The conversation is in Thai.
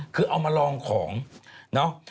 คือเอามาลองของเนาะ